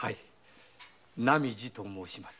浪路と申します。